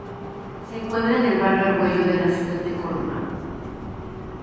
Se encuentra en el Barrio Argüello de la Ciudad de Córdoba.